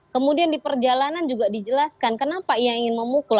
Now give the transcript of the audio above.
kemudian di perjalanan juga dijelaskan kenapa ia ingin memukul